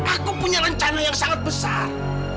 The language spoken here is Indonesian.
aku punya rencana yang sangat besar